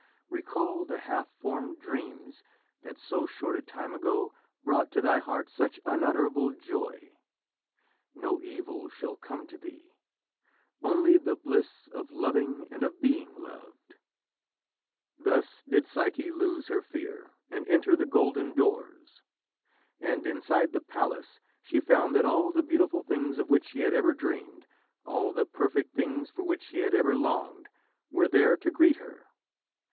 Recall the half formed dreams that so short a time ago brought to thy heart such unutterable joy. No evil shall come to thee only the bliss of loving and of being loved." [Illustration: THUS DID PSYCHE LOSE HER FEAR, AND ENTER THE GOLDEN DOORS] Thus did Psyche lose her fear, and enter the golden doors. And inside the palace she found that all the beautiful things of which she had ever dreamed, all the perfect things for which she had ever longed, were there to greet her.